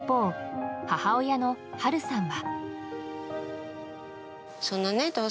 一方、母親の春さんは。